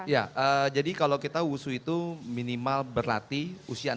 ya jadi kalau kita wushu itu minimal berlatih usia enam puluh